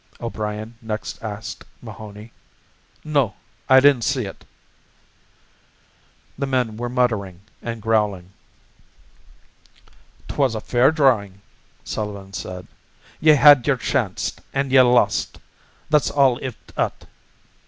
O'Brien next asked Mahoney. "No, I didn't see ut." The men were muttering and growling. "'Twas a fair drawin'," Sullivan said. "Ye had yer chanct an' ye lost, that's all iv ut."